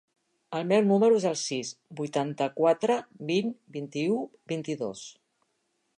El meu número es el sis, vuitanta-quatre, vint, vint-i-u, vint-i-dos.